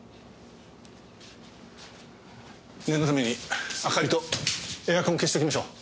念のために明かりとエアコン消しときましょう。